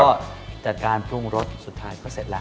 ก็แต่การปรุงรสสุดท้ายก็เสร็จแล้ว